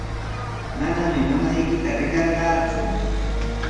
Manami mamaykita riqarqaaku.